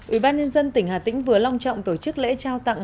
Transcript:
ủy ban nhân dân tỉnh hà tĩnh vừa long trọng tổ chức lễ trao tặng